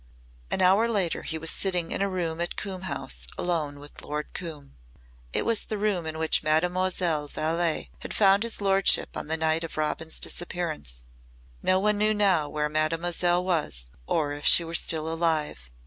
An hour later he was sitting in a room at Coombe House alone with Lord Coombe. It was the room in which Mademoiselle Vallé had found his lordship on the night of Robin's disappearance. No one knew now where Mademoiselle was or if she were still alive.